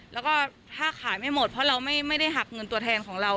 แล้วก็ถ้าขายไม่หมดเพราะเราไม่ได้หักเงินตัวแทนของเรา